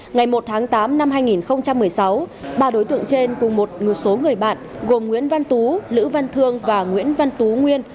ngày một tháng tám năm hai nghìn một mươi sáu ba đối tượng trên cùng một số người bạn gồm nguyễn văn tú lữ văn thương và nguyễn văn tú nguyên